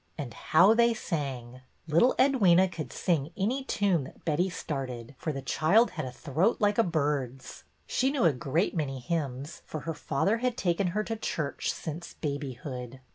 And how they sang! Little Edwyna could sing any tune that Betty started, for the child had a throat like a bird's. She knew a great many hymns, for her father had taken her to church since babyhood.